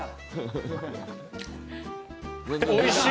おいしい。